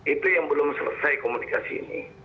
itu yang belum selesai komunikasi ini